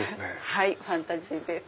はいファンタジーです。